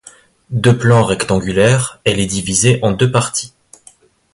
De plan rectangulaire, elle est divisée en deux parties.